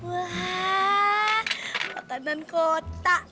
wah makanan kota